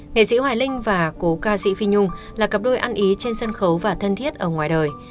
nghệ sĩ hoài linh và cố ca sĩ phi nhung là cặp đôi ăn ý trên sân khấu và thân thiết ở ngoài đời